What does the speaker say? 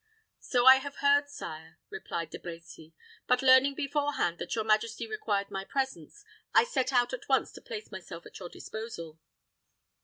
"So I have heard, sire," replied De Brecy; "but, learning beforehand that your majesty required my presence, I set out at once to place myself at your disposal."